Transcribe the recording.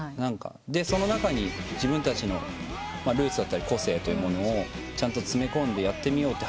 その中に自分たちのルーツや個性というものをちゃんと詰め込んでやってみようと初めて。